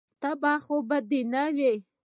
تبه خو به دې نه وه.